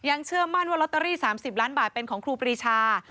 เชื่อมั่นว่าลอตเตอรี่๓๐ล้านบาทเป็นของครูปรีชา